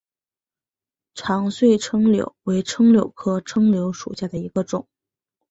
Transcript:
长穗柽柳为柽柳科柽柳属下的一个种。